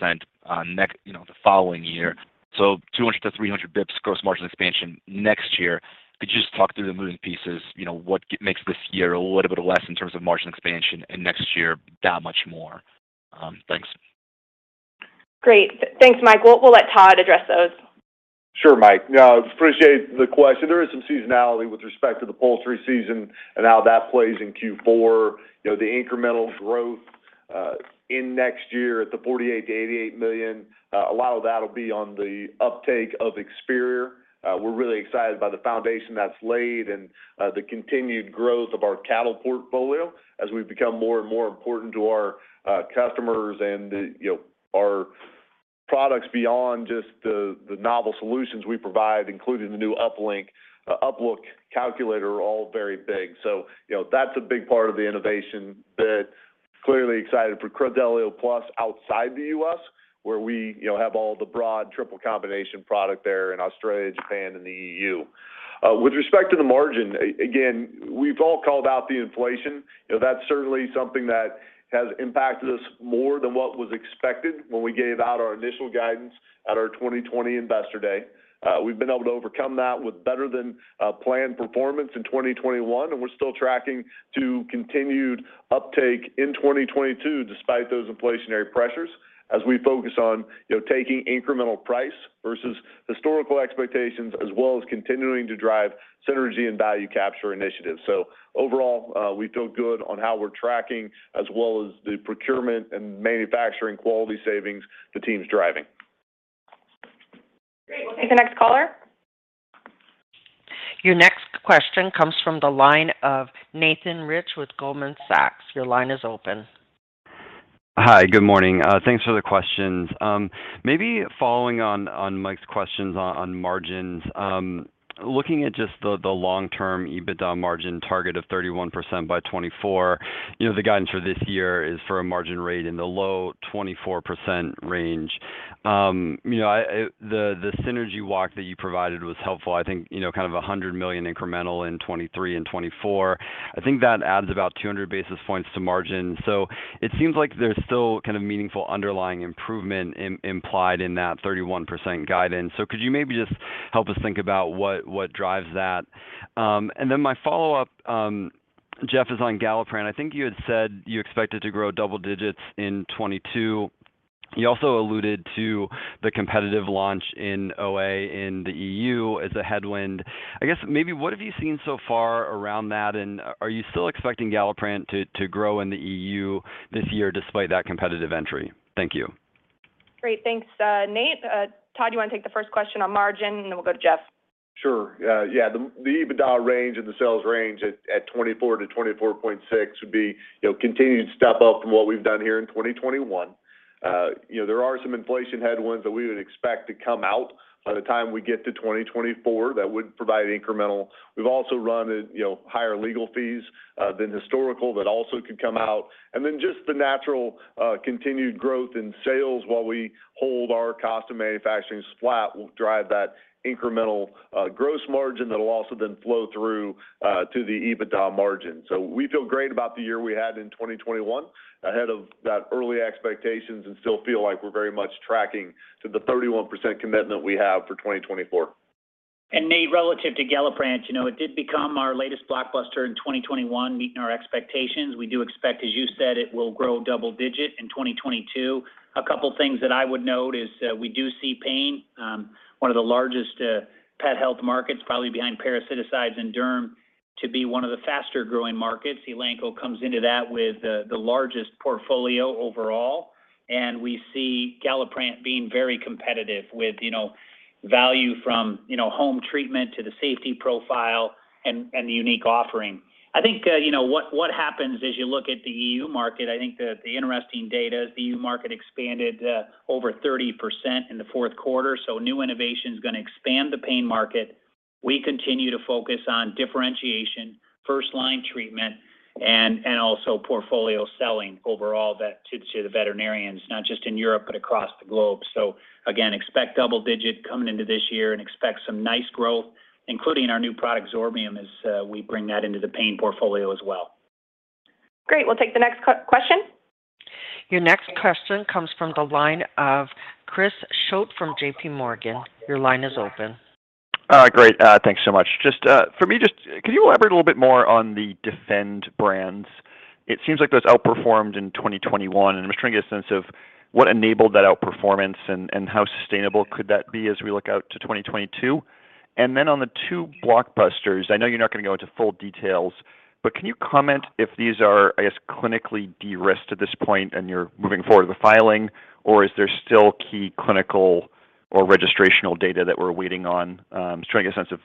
60% next, you know, the following year. 200-300 basis points gross margin expansion next year. Could you just talk through the moving pieces? You know, what makes this year a little bit less in terms of margin expansion and next year that much more? Thanks. Great. Thanks, Mike. We'll let Todd address those. Sure, Mike. Yeah, I appreciate the question. There is some seasonality with respect to the poultry season and how that plays in Q4. You know, the incremental growth in next year at the $48 million-$88 million, a lot of that'll be on the uptake of Experior. We're really excited by the foundation that's laid and the continued growth of our cattle portfolio as we've become more and more important to our customers and, you know, our products beyond just the novel solutions we provide, including the new UpLook calculator are all very big. You know, that's a big part of the innovation, but clearly excited for Credelio Plus outside the U.S., where we, you know, have all the broad triple combination product there in Australia, Japan, and the EU. With respect to the margin, again, we've all called out the inflation. You know, that's certainly something that has impacted us more than what was expected when we gave out our initial guidance at our 2020 Investor Day. We've been able to overcome that with better than planned performance in 2021, and we're still tracking to continued uptake in 2022 despite those inflationary pressures as we focus on, you know, taking incremental price versus historical expectations, as well as continuing to drive synergy and value capture initiatives. Overall, we feel good on how we're tracking as well as the procurement and manufacturing quality savings the team's driving. Great. We'll take the next caller. Your next question comes from the line of Nathan Roth with Goldman Sachs. Your line is open. Hi. Good morning. Thanks for the questions. Maybe following on Mike's questions on margins. Looking at just the long-term EBITDA margin target of 31% by 2024, you know, the guidance for this year is for a margin rate in the low 24% range. You know, the synergy walk that you provided was helpful. I think, you know, kind of $100 million incremental in 2023 and 2024. I think that adds about 200 basis points to margin. It seems like there's still kind of meaningful underlying improvement implied in that 31% guidance. Could you maybe just help us think about what drives that? My follow-up, Jeff, is on Galliprant. I think you had said you expected to grow double digits in 2022. You also alluded to the competitive launch in OA in the EU as a headwind. I guess maybe what have you seen so far around that, and are you still expecting Galliprant to grow in the EU this year despite that competitive entry? Thank you. Great. Thanks, Nate. Todd, you wanna take the first question on margin, and then we'll go to Jeff. Sure. Yeah, the EBITDA range and the sales range at 24%-24.6% would be, you know, continued step up from what we've done here in 2021. You know, there are some inflation headwinds that we would expect to come out by the time we get to 2024 that would provide incremental. We've also run a, you know, higher legal fees than historical that also could come out. Then just the natural continued growth in sales while we hold our cost of manufacturing flat will drive that incremental gross margin that'll also then flow through to the EBITDA margin. We feel great about the year we had in 2021. Ahead of that early expectations and still feel like we're very much tracking to the 31% commitment we have for 2024. Nate, relative to Galliprant, you know, it did become our latest blockbuster in 2021, meeting our expectations. We do expect, as you said, it will grow double-digit in 2022. A couple things that I would note is, we do see pain, one of the largest, pet health markets, probably behind parasiticides and derm, to be one of the faster-growing markets. Elanco comes into that with the largest portfolio overall, and we see Galliprant being very competitive with, you know, value from, you know, home treatment to the safety profile and the unique offering. I think, you know, what happens as you look at the EU market, I think the interesting data is the EU market expanded, over 30% in the fourth quarter, so new innovation's gonna expand the pain market. We continue to focus on differentiation, first-line treatment, and also portfolio selling overall to the veterinarians, not just in Europe, but across the globe. Again, expect double-digit coming into this year and expect some nice growth, including our new product, Zorbium, as we bring that into the pain portfolio as well. Great. We'll take the next question. Your next question comes from the line of Chris Schott from J.P. Morgan. Your line is open. Great. Thanks so much. Just for me, just could you elaborate a little bit more on the Defend brands? It seems like those outperformed in 2021, and I'm just trying to get a sense of what enabled that outperformance and how sustainable could that be as we look out to 2022. Then on the two blockbusters, I know you're not gonna go into full details, but can you comment if these are, I guess, clinically de-risked at this point and you're moving forward with the filing, or is there still key clinical or registrational data that we're waiting on? Just trying to get a sense of,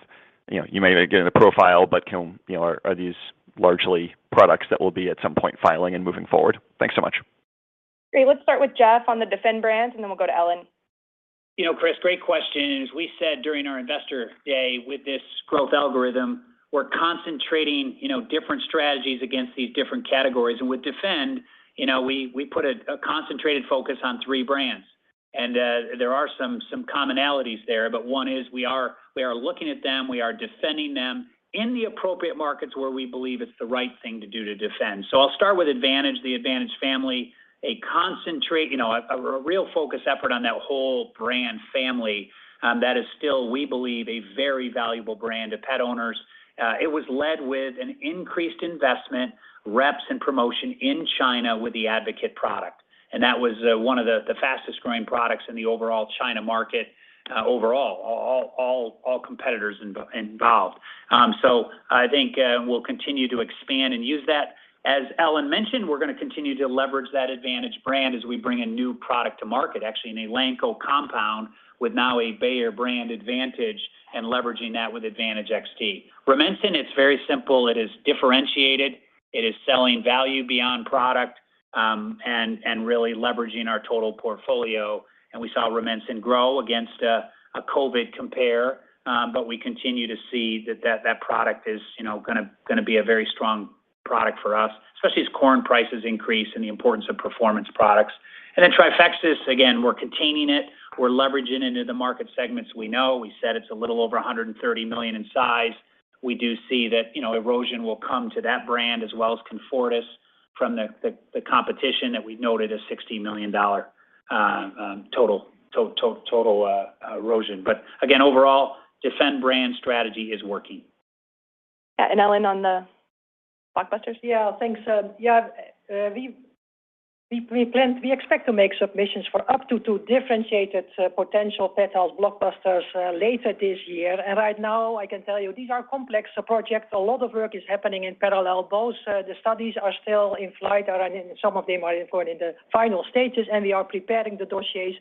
you know, you may get in a profile, but you know, are these largely products that will be at some point filing and moving forward? Thanks so much. Great. Let's start with Jeff on the defend brands, and then we'll go to Ellen. You know, Chris, great question. As we said during our Investor Day, with this growth algorithm, we're concentrating, you know, different strategies against these different categories. With Defend, you know, we put a concentrated focus on three brands. There are some commonalities there, but one is we are looking at them, we are defending them in the appropriate markets where we believe it's the right thing to do to defend. I'll start with Advantage, the Advantage family, a concentrated, you know, a real focused effort on that whole brand family, that is still, we believe, a very valuable brand to pet owners. It was led with an increased investment, reps and promotion in China with the Advocate product. That was one of the fastest-growing products in the overall China market, overall all competitors involved. So I think we'll continue to expand and use that. As Ellen mentioned, we're gonna continue to leverage that Advantage brand as we bring a new product to market, actually an Elanco compound with now a Bayer brand Advantage and leveraging that with Advantage XD. Rumensin, it's very simple. It is differentiated. It is selling value beyond product, and really leveraging our total portfolio. We saw Rumensin grow against a COVID compare, but we continue to see that product is, you know, gonna be a very strong product for us, especially as corn prices increase and the importance of performance products. Then Trifexis, again, we're containing it. We're leveraging into the market segments we know. We said it's a little over $130 million in size. We do see that erosion will come to that brand as well as Comfortis from the competition that we noted a $60 million total erosion. Again, overall, defend brand strategy is working. Yeah. Ellen, on the blockbusters? Yeah. Thanks. We expect to make submissions for up to two differentiated potential pet health blockbusters later this year. Right now, I can tell you these are complex projects. A lot of work is happening in parallel. Both the studies are still in flight, and some of them are, of course, in the final stages, and we are preparing the dossiers.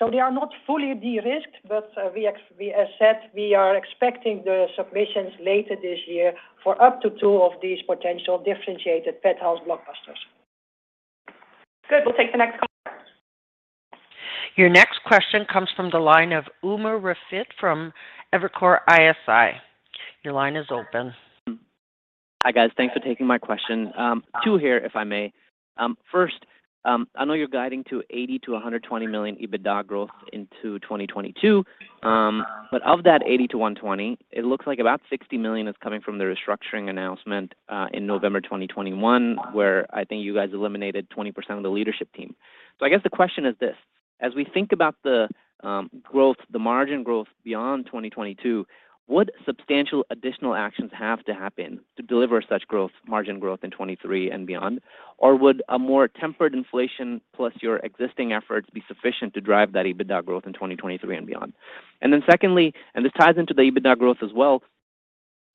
They are not fully de-risked, but we, as said, we are expecting the submissions later this year for up to two of these potential differentiated pet health blockbusters. Good. We'll take the next caller. Your next question comes from the line of Umer Raffat from Evercore ISI. Your line is open. Hi, guys. Thanks for taking my question. Two here, if I may. First, I know you're guiding to $80 million-$120 million EBITDA growth into 2022. But of that $80 million-$120 million, it looks like about $60 million is coming from the restructuring announcement in November 2021, where I think you guys eliminated 20% of the leadership team. I guess the question is this: as we think about the growth, the margin growth beyond 2022, what substantial additional actions have to happen to deliver such growth, margin growth in 2023 and beyond? Or would a more tempered inflation plus your existing efforts be sufficient to drive that EBITDA growth in 2023 and beyond? Secondly, and this ties into the EBITDA growth as well,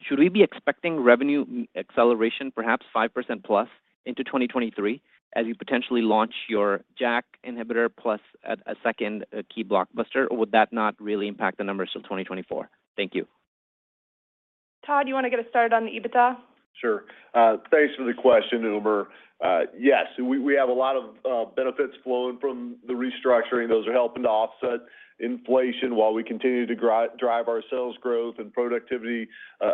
should we be expecting revenue acceleration, perhaps 5%+ into 2023 as you potentially launch your JAK inhibitor plus at a second key blockbuster? Or would that not really impact the numbers till 2024? Thank you. Todd, you wanna get us started on the EBITDA? Sure. Thanks for the question, Umer. Yes. We have a lot of benefits flowing from the restructuring. Those are helping to offset inflation while we continue to drive our sales growth and productivity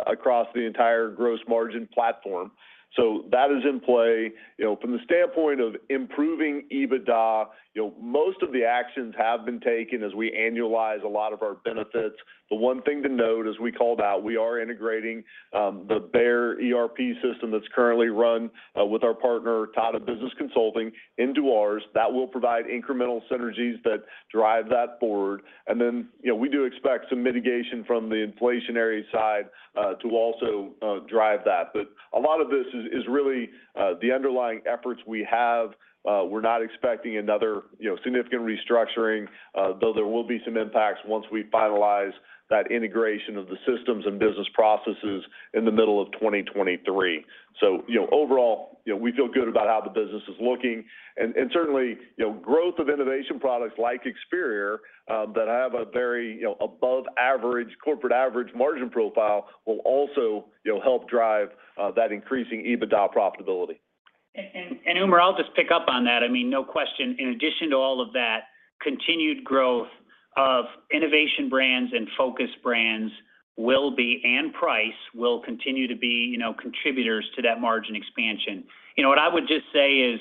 across the entire gross margin platform. That is in play. You know, from the standpoint of improving EBITDA, you know, most of the actions have been taken as we annualize a lot of our benefits. The one thing to note, as we called out, we are integrating the Bayer ERP system that's currently run with our partner, Tata Consultancy Services, into ours. That will provide incremental synergies that drive that forward. Then, you know, we do expect some mitigation from the inflationary side to also drive that. A lot of this is really the underlying efforts we have. We're not expecting another, you know, significant restructuring, though there will be some impacts once we finalize that integration of the systems and business processes in the middle of 2023. You know, overall, you know, we feel good about how the business is looking. Certainly, you know, growth of innovation products like Experior that have a very, you know, above average corporate average margin profile will also, you know, help drive that increasing EBITDA profitability. Umer, I'll just pick up on that. I mean, no question, in addition to all of that, continued growth of innovation brands and focus brands will be, and price, will continue to be, you know, contributors to that margin expansion. You know, what I would just say is,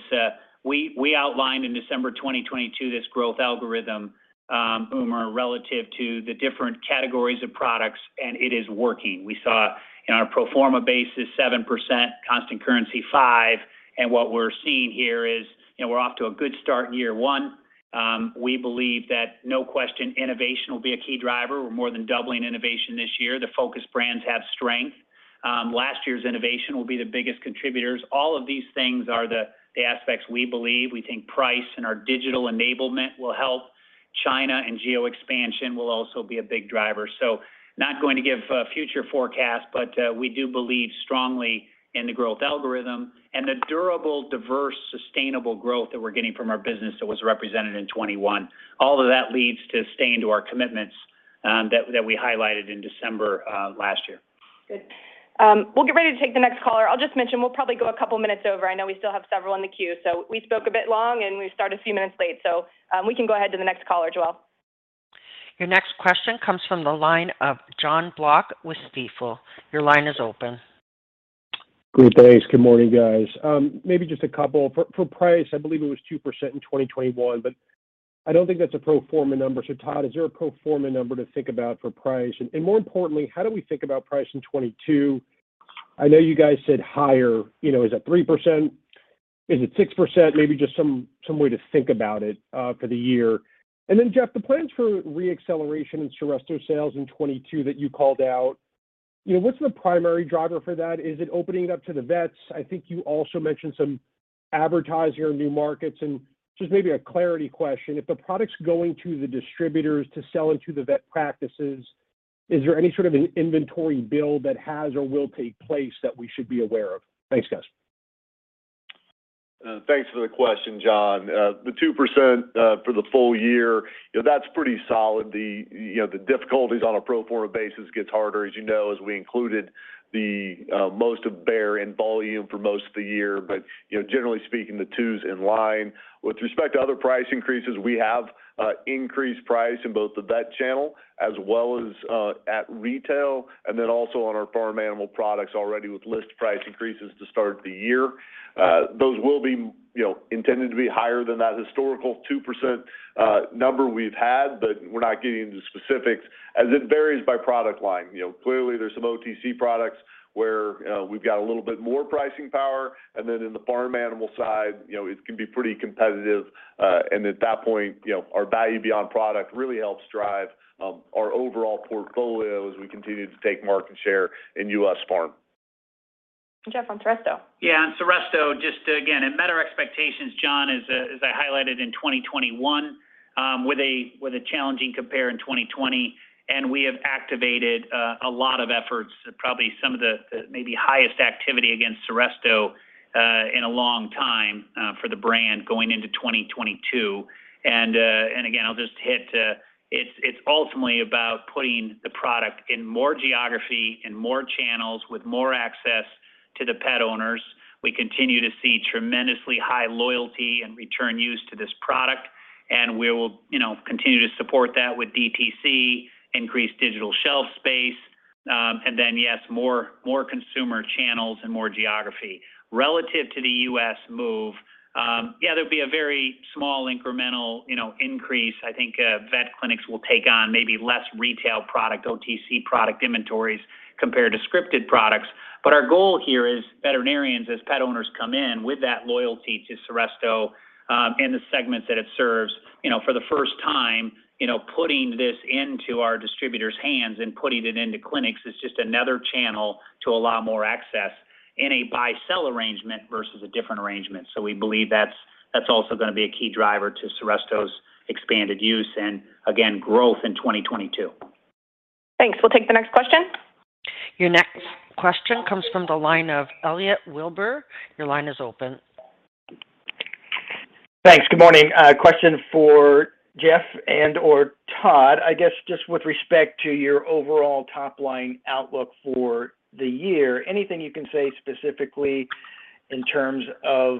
we outlined in December 2022 this growth algorithm, Umer, relative to the different categories of products, and it is working. We saw in our pro forma basis 7%, constant currency 5%. What we're seeing here is, you know, we're off to a good start in year one. We believe that, no question, innovation will be a key driver. We're more than doubling innovation this year. The focus brands have strength. Last year's innovation will be the biggest contributors. All of these things are the aspects we believe. We think price and our digital enablement will help. China and geo expansion will also be a big driver. Not going to give a future forecast, but we do believe strongly in the growth algorithm and the durable, diverse, sustainable growth that we're getting from our business that was represented in 2021. All of that leads to staying to our commitments that we highlighted in December last year. Good. We'll get ready to take the next caller. I'll just mention, we'll probably go a couple minutes over. I know we still have several in the queue. We spoke a bit long, and we started a few minutes late, so we can go ahead to the next caller, Joelle. Your next question comes from the line of Jonathan Block with Stifel. Your line is open. Good day. Good morning, guys. Maybe just a couple. For price, I believe it was 2% in 2021, but I don't think that's a pro forma number. Todd, is there a pro forma number to think about for price? More importantly, how do we think about price in 2022? I know you guys said higher. You know, is that 3%? Is it 6%? Maybe just some way to think about it for the year. Jeff, the plans for re-acceleration in Seresto sales in 2022 that you called out, you know, what's the primary driver for that? Is it opening it up to the vets? I think you also mentioned some advertising in new markets. Just maybe a clarity question. If the product's going to the distributors to sell into the vet practices, is there any sort of an inventory build that has or will take place that we should be aware of? Thanks, guys. Thanks for the question, John. The 2%, for the full year, you know, that's pretty solid. You know, the difficulties on a pro forma basis gets harder, as you know, as we included the most of Bayer in volume for most of the year. But, you know, generally speaking, the 2% is in line. With respect to other price increases, we have increased price in both the vet channel as well as at retail, and then also on our farm animal products already with list price increases to start the year. Those will be, you know, intended to be higher than that historical 2%, number we've had, but we're not getting into specifics, as it varies by product line. You know, clearly there's some OTC products where we've got a little bit more pricing power. In the farm animal side, you know, it can be pretty competitive. At that point, you know, our value beyond product really helps drive our overall portfolio as we continue to take market share in U.S. farm. Jeff, on Seresto. Yeah, on Seresto, just again, it met our expectations, John, as I highlighted in 2021, with a challenging compare in 2020, and we have activated a lot of efforts, probably some of the maybe highest activity against Seresto in a long time for the brand going into 2022. Again, I'll just hit, it's ultimately about putting the product in more geography and more channels with more access to the pet owners. We continue to see tremendously high loyalty and return use to this product. We will, you know, continue to support that with DTC, increase digital shelf space, and then yes, more consumer channels and more geography. Relative to the U.S. move, yeah, there'll be a very small incremental, you know, increase. I think, vet clinics will take on maybe less retail product, OTC product inventories compared to scripted products. But our goal here is veterinarians, as pet owners come in with that loyalty to Seresto, and the segments that it serves, you know, for the first time, you know, putting this into our distributors' hands and putting it into clinics is just another channel to allow more access in a buy-sell arrangement versus a different arrangement. We believe that's also gonna be a key driver to Seresto's expanded use and again, growth in 2022. Thanks. We'll take the next question. Your next question comes from the line of Elliot Wilbur. Your line is open. Thanks. Good morning. A question for Jeff and/or Todd. I guess just with respect to your overall top-line outlook for the year, anything you can say specifically in terms of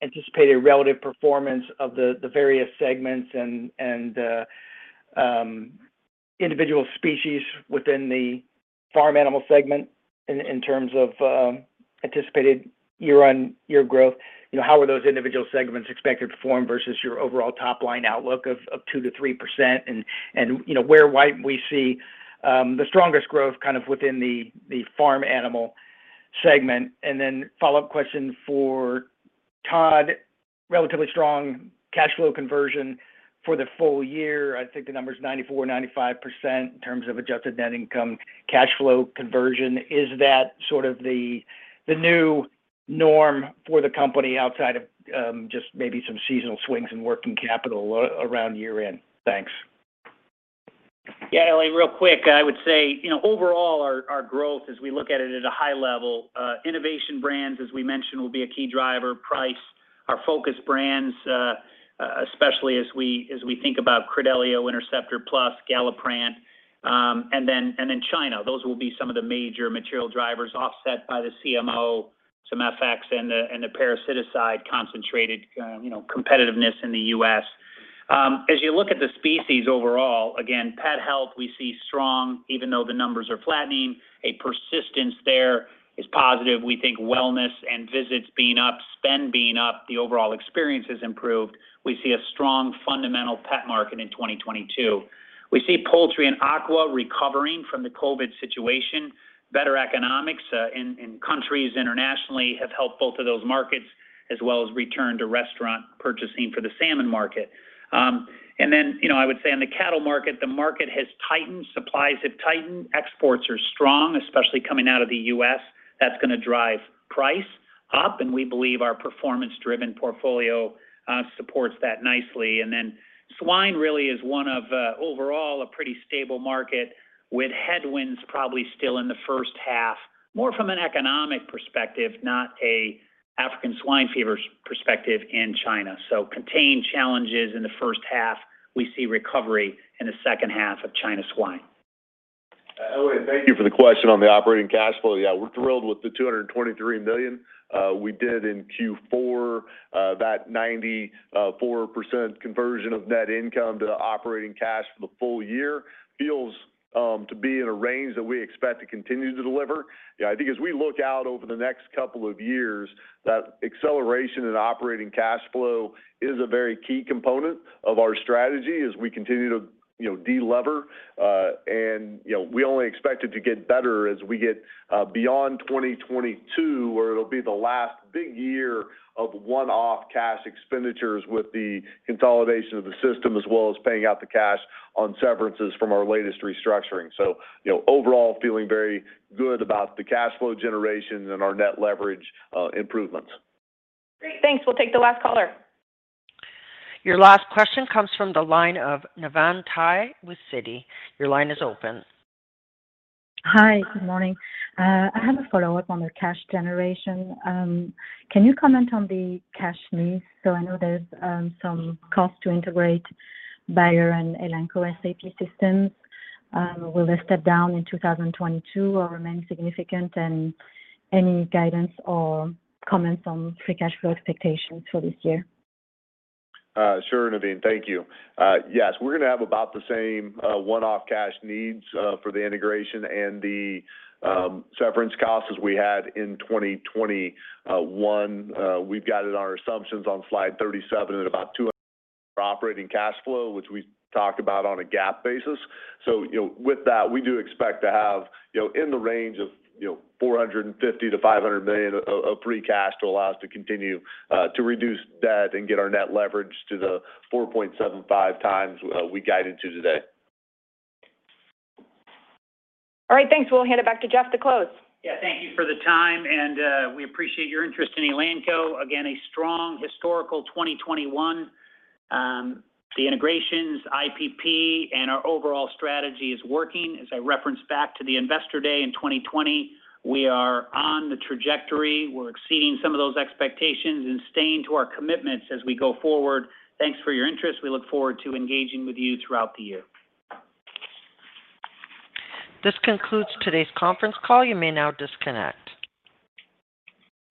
anticipated relative performance of the various segments and individual species within the Farm Animal segment in terms of anticipated year-over-year growth? You know, how are those individual segments expected to perform versus your overall top-line outlook of 2%-3%? You know, where why we see the strongest growth kind of within the Farm Animal segment. Then follow-up question for Todd, relatively strong cash flow conversion for the full year. I think the number's 94%-95% in terms of adjusted net income cash flow conversion. Is that sort of the new norm for the company outside of just maybe some seasonal swings in working capital around year-end? Thanks. Yeah, Elliot, real quick, I would say, you know, overall our growth as we look at it at a high level. Innovation brands, as we mentioned, will be a key driver. Price. Our focus brands, especially as we think about Credelio, Interceptor Plus, Galliprant, and then China. Those will be some of the major material drivers offset by the CMO, some FX and the parasiticide concentrated, you know, competitiveness in the U.S. As you look at the species overall, again, pet health, we see strong, even though the numbers are flattening. A persistence there is positive. We think wellness and visits being up, spend being up, the overall experience has improved. We see a strong fundamental pet market in 2022. We see poultry and aqua recovering from the COVID situation, better economics in countries internationally have helped both of those markets, as well as return to restaurant purchasing for the salmon market. You know, I would say on the cattle market, the market has tightened, supplies have tightened. Exports are strong, especially coming out of the U.S. That's gonna drive price up, and we believe our performance-driven portfolio supports that nicely. Swine really is one of overall a pretty stable market with headwinds probably still in the first half, more from an economic perspective, not an African swine fever perspective in China. Contained challenges in the first half. We see recovery in the second half of China swine. Elliot, thank you for the question on the operating cash flow. Yeah, we're thrilled with the $223 million we did in Q4. That 94% conversion of net income to operating cash for the full year feels to be in a range that we expect to continue to deliver. Yeah, I think as we look out over the next couple of years, that acceleration in operating cash flow is a very key component of our strategy as we continue to, you know, de-lever. You know, we only expect it to get better as we get beyond 2022, where it'll be the last big year of one-off cash expenditures with the consolidation of the system as well as paying out the cash on severances from our latest restructuring. You know, overall feeling very good about the cash flow generation and our net leverage improvements. Great. Thanks. We'll take the last caller. Your last question comes from the line of Navann Ty with Citi. Your line is open. Hi. Good morning. I have a follow-up on the cash generation. Can you comment on the cash needs? I know there's some cost to integrate Bayer and Elanco SAP systems. Will they step down in 2022 or remain significant? Any guidance or comments on free cash flow expectations for this year? Sure, Navin. Thank you. Yes, we're gonna have about the same one-off cash needs for the integration and the severance costs as we had in 2021. We've got it in our assumptions on slide 37 at about $200 million operating cash flow, which we talked about on a GAAP basis. You know, with that, we do expect to have, you know, in the range of, you know, $450 million-$500 million of free cash to allow us to continue to reduce debt and get our net leverage to the 4.75x we guided to today. All right. Thanks. We'll hand it back to Jeff to close. Yeah. Thank you for the time, and we appreciate your interest in Elanco. Again, a strong historical 2021. The integrations, IPP, and our overall strategy is working. As I reference back to the Investor Day in 2020, we are on the trajectory. We're exceeding some of those expectations and staying to our commitments as we go forward. Thanks for your interest. We look forward to engaging with you throughout the year. This concludes today's conference call. You may now disconnect.